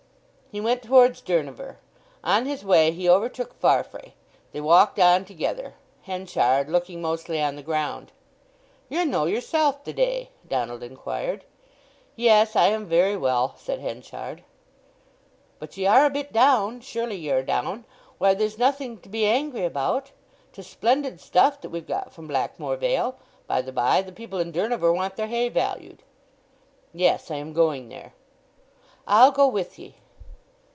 He went towards Durnover. On his way he overtook Farfrae. They walked on together, Henchard looking mostly on the ground. "You're no yoursel' the day?" Donald inquired. "Yes, I am very well," said Henchard. "But ye are a bit down—surely ye are down? Why, there's nothing to be angry about! 'Tis splendid stuff that we've got from Blackmoor Vale. By the by, the people in Durnover want their hay valued." "Yes. I am going there." "I'll go with ye."